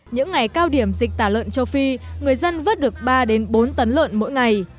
những ngày cao điểm dịch tả lợn châu phi người dân vớt được ba bốn tấn lợn mỗi ngày